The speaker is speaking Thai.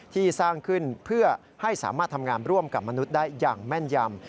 ที่สร้างขึ้นเพื่อให้สามารถทำงานร่วมกับมนุษย์ได้อย่างแม่นยำ